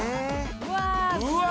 うわ！